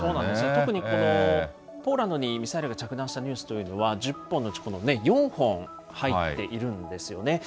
特にこのポーランドにミサイルが着弾したニュースというのは、１０本のうち、４本入っているんですよね。